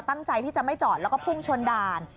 ตั้งใจที่จะไม่จอดแล้วก็พุ่งชนด่าน